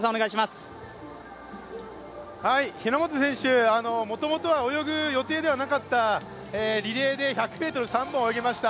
日本選手、もともとは泳ぐ予定ではなかったリレーで１００ｍ３本泳ぎました。